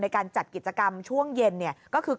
การจัดกิจกรรมช่วงเย็นก็คือ